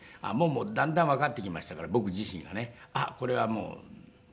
だんだんわかってきましたから僕自身がねあっこれはもうって。